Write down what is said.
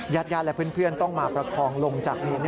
ญาติญาติและเพื่อนต้องมาประคองลงจากดิน